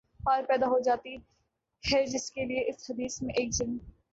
حال پیدا ہو جاتی ہے جس کے لیے اس حدیث میں ایک جن